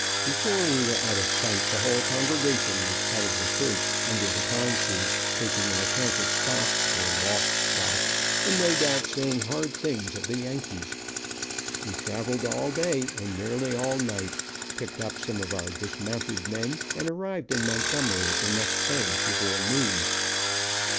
Before we were out of sight the whole congregation was out of the church, under the pine trees, taking an account of stock, or lost stock, and no doubt saying hard things of the Yankees. We traveled all day and nearly all night, picked up some of our dismounted men, and arrived in Montgomery the next day before noon.